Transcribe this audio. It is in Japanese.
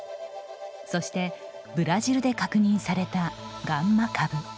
そしてブラジルで確認されたガンマ株。